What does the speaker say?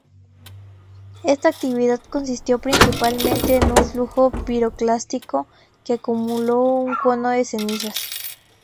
Esta actividad consistió principalmente en un flujo piroclástico que acumuló un cono de cenizas.